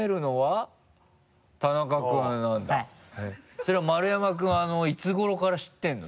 それは丸山君はいつ頃から知ってるの？